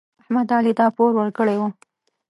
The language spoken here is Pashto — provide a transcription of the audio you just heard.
احمد علي ته پور ورکړی و.